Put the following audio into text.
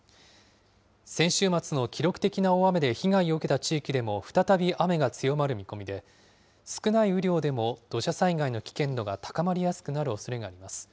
先週末の記録的な大雨で被害を受けた地域でも再び雨が強まる見込みで、少ない雨量でも土砂災害の危険度が高まりやすくなるおそれがあります。